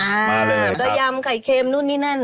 ก็ยำไข่เค็มนู่นนี่นั่น